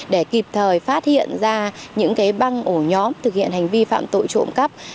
để kịp thời phát hiện ra những băng ổ nhóm thực hiện hành vi phạm tội trộm cắp